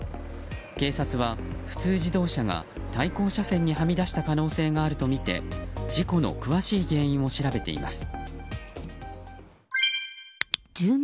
警察は普通自動車が対向車線にはみ出した可能性があるとみて事故の詳しい原因を調べています。